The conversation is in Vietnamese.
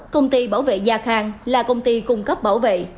công ty bảo vệ gia khang là công ty cung cấp bảo vệ